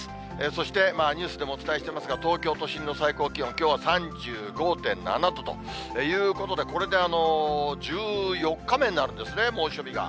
そして、ニュースでもお伝えしてますが、東京都心の最高気温、きょうは３５．７度ということで、これで１４日目になるんですね、猛暑日が。